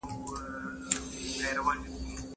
د انسان پيدايښت د الهي قدرت نښه ده.